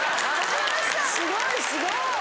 すごいすごい！